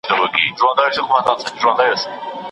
تاسو باید تل د اثر ماهیت ته پام وکړئ.